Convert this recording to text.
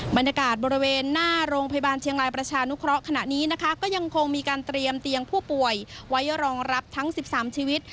บรรยากาศบริเวณหน้าโรงพยาบาลเชียงรายประชานุเคราะห์ขณะนี้นะคะก็ยังคงมีการเตรียมเตียงผู้ป่วยไว้รองรับทั้ง๑๓ชีวิต